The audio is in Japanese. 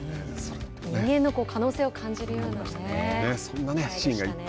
人間の可能性を感じましたね。